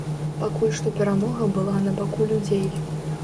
Пакуль што перамога была на баку людзей.